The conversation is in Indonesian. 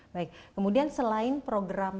baik kemudian selain program